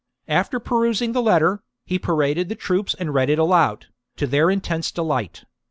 After perusing the letter, he paraded the troops and read it aloud, to their intense delight.